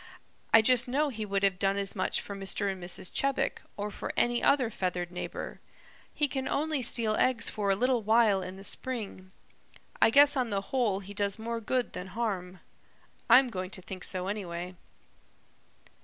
I just know he would have done as much for Mr. and Mrs. Chebec, or for any other feathered neighbor. He can only steal eggs for a little while in the spring. I guess on the whole he does more good than harm. I'm going to think so anyway."